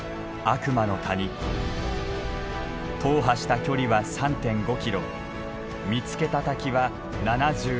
踏破した距離は３．５キロ見つけた滝は７５。